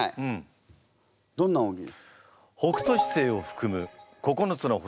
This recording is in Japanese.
どんな奥義。